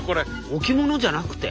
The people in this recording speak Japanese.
置物じゃなくて？